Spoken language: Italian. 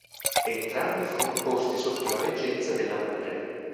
Entrambi furono posti sotto la reggenza della madre.